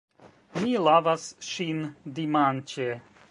Mi lavas ŝin dimanĉe.